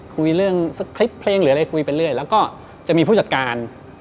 คุยเรื่องสคริปต์เพลงหรืออะไรคุยไปเรื่อยแล้วก็จะมีผู้จัดการ